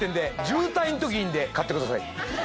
渋滞の時いいんで買ってください！